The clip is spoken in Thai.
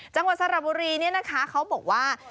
จังหวัดสระบุรีเนี่ยนะคะเขาบอกว่า